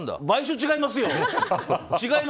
買収違いますよ！